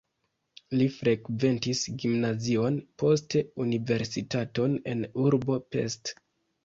Li frekventis gimnazion, poste universitaton en urbo Pest.